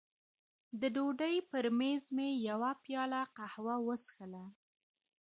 د ډوډۍ پر مېز مې یوه پیاله قهوه وڅښله.